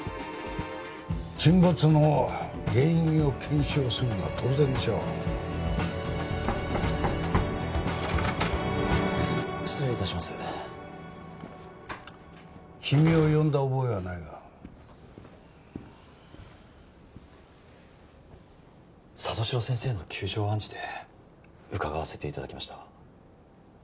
沈没の原因を検証するのは当然でしょう失礼いたします君を呼んだ覚えはないが里城先生の窮状を案じて伺わせていただきました